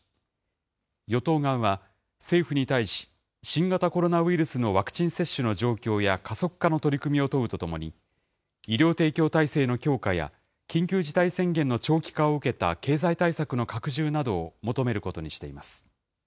与党側は、政府に対し、新型コロナウイルスのワクチン接種の状況や加速化の取り組みを問うとともに、医療提供体制の強化や、緊急事態宣言の長期化を受けた経済対策の拡充などを求めることにしています。